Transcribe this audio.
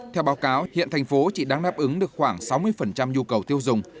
theo báo cáo hiện thành phố chỉ đang đáp ứng được khoảng sáu mươi nhu cầu tiêu dùng